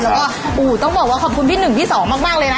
แล้วก็ต้องบอกว่าขอบคุณพี่หนึ่งพี่สองมากเลยนะ